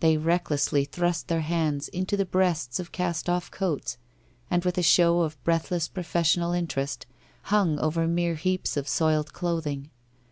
They recklessly thrust their hands into the breasts of cast off coats, and with a show of breathless professional interest hung over mere heaps of soiled clothing.